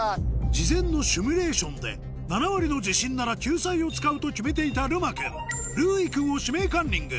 事前のシミュレーションで７割の自信なら救済を使うと決めていたるま君るうい君を「指名カンニング」